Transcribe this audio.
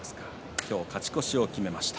勝ち越しを決めました。